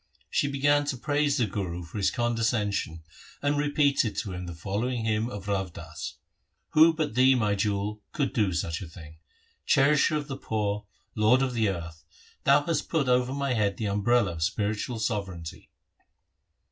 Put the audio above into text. She began to praise the Guru for his condescension and repeated to him the following hymn of Rav Das :— Who but Thee, my Jewel, could do such a thing ? Cherisher of the poor, Lord of the earth, Thou hast put over my head the umbrella of spiritual sovereignty?